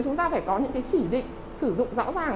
chúng ta phải có những cái chỉ định sử dụng rõ ràng